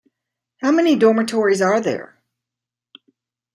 How many dormitories are there?